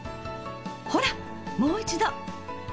ほらもう一度。